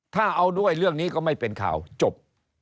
ถ้าเอาด้วยเรื่องนี้ก็ไม่เป็นข่าวจบ